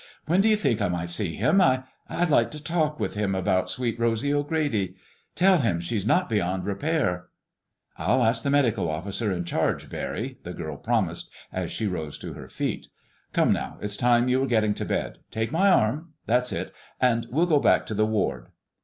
"When do you think I might see him? I—I'd like to talk with him about Sweet Rosy O'Grady ... tell him she's not beyond repair." "I'll ask the medical officer in charge, Barry," the girl promised, as she rose to her feet. "Come, now! It's time you were getting to bed. Take my arm—that's it—and we'll go back to the ward."